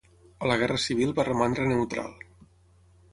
A la guerra civil va romandre neutral.